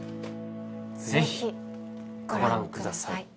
ぜひご覧ください